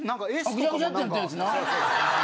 ぐちゃぐちゃってなったやつな。